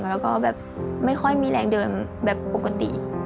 แล้วก็แบบไม่ค่อยมีแรงเดินแบบปกติ